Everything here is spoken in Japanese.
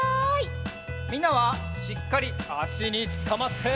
みんなはしっかりあしにつかまって！